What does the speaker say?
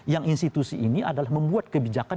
yang institusi ini adalah membuat kebijakan